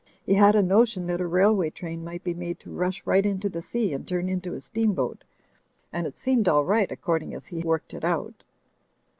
He had a notion that a railway train might be made to rush right into the sea and turn into a steamboat; and it seemed all right, according as he worked it out.